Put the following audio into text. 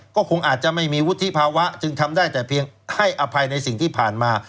ก็คงอาจจะไม่มีวุฒิภาวะจึงทำได้แต่เพียงให้อภัยในสิ่งที่ผ่านมา